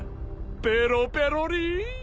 ペロペロリーン！